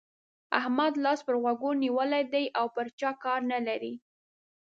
احمد لاس پر غوږو نيولی دی او پر چا کار نه لري.